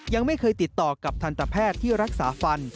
ยังไม่เคยติดต่อกับทันตแพทย์ที่รักษาฟัน